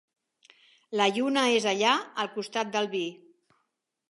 La lluna és allà, al costat del vi.